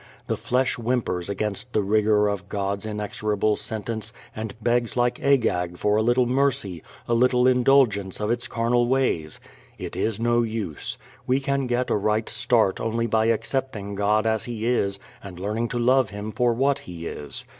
The flesh whimpers against the rigor of God's inexorable sentence and begs like Agag for a little mercy, a little indulgence of its carnal ways. It is no use. We can get a right start only by accepting God as He is and learning to love Him for what He is.